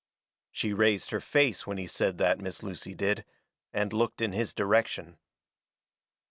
She raised her face when he said that, Miss Lucy did, and looked in his direction.